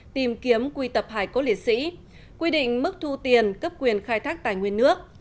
tìm kiếm quy tập hải cốt liệt sĩ quy định mức thu tiền cấp quyền khai thác tài nguyên nước